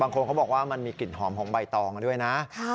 เขาบอกว่ามันมีกลิ่นหอมของใบตองด้วยนะ